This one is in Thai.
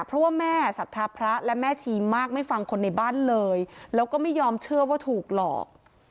เพราะว่าแม่ศรัทธาพระและแม่ชีมากไม่ฟังคนในบ้านเลยแล้วก็ไม่ยอมเชื่อว่าถูกหลอก